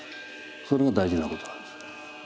それが大事なことなんです。